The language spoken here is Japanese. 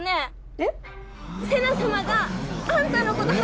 えっ？